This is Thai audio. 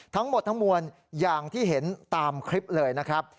ทั้งหมดทั้งมวลอย่างที่เห็นตามคลิปเลยนะครับ